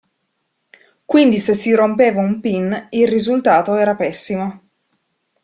Quindi se si rompeva un pin, il risultato era pessimo.